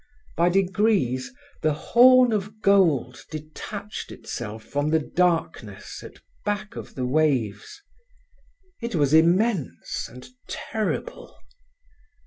By degrees the horn of gold detached itself from the darkness at back of the waves. It was immense and terrible.